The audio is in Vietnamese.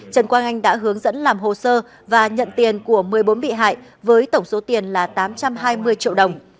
trần quang anh đã hướng dẫn làm hồ sơ và nhận tiền của một mươi bốn bị hại với tổng số tiền là tám trăm hai mươi triệu đồng